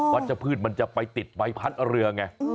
ชัชพืชมันจะไปติดใบพัดเรือไง